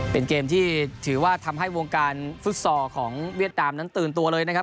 เป็นเกมที่ถือว่าทำให้วงการฟุตซอลของเวียดนามนั้นตื่นตัวเลยนะครับ